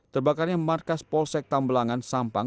terbakarnya markas polsek tambelangan sampang